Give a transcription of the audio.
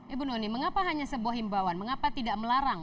ibu noni mengapa hanya sebuah himbauan mengapa tidak melarang